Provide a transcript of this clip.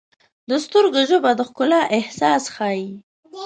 د سترګو ژبه د ښکلا احساس ښیي.